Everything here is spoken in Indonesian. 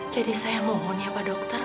jadi saya mohon ya pak dokter